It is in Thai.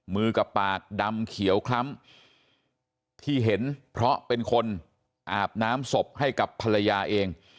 มือกับปากดำเขียวคล้ำที่เห็นเพราะเป็นคนอาบน้ำศพให้กับภรรยาเอง